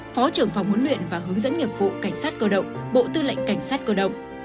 phó trưởng phòng huấn luyện và hướng dẫn nghiệp vụ cảnh sát cơ động bộ tư lệnh cảnh sát cơ động